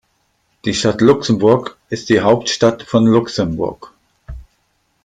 Die Stadt Luxemburg ist die Hauptstadt von Luxemburg.